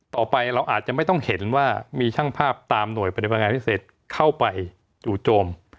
ต่อไปเราอาจจะไม่ต้องเห็นว่ามีช่างภาพตามหน่วยปฏิบัติงานพิเศษเข้าไปจู่โจม